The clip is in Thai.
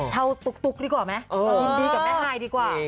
เช่าตุ๊กดีกว่าไหม